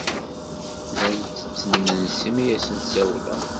Llan tetten imensi mi asen-sawleɣ.